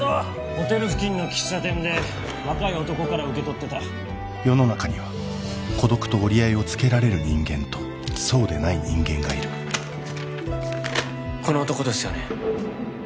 ホテル付近の喫茶店で若い男から受け取ってた世の中には孤独と折り合いをつけられる人間とそうでない人間がいるこの男ですよね？